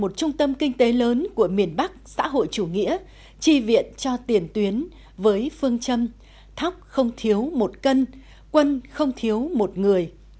một trung tâm kinh tế lớn của miền bắc xã hội chủ nghĩa tri viện cho tiền tuyến với phương châm thóc không thiếu một cân quân không thiếu một người